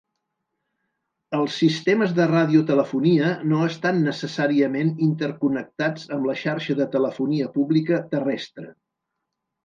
Els sistemes de radiotelefonia no estan necessàriament interconnectats amb la xarxa de telefonia pública "terrestre".